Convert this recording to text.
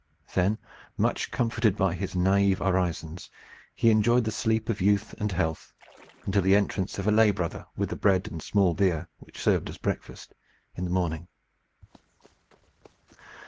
Then, much comforted by his naive orisons he enjoyed the sleep of youth and health until the entrance of the lay brother with the bread and small beer, which served as breakfast, in the morning.